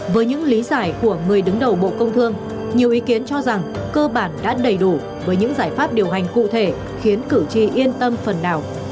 với những lý giải của người đứng đầu bộ công thương nhiều ý kiến cho rằng cơ bản đã đầy đủ với những giải pháp điều hành cụ thể khiến cử tri yên tâm phần nào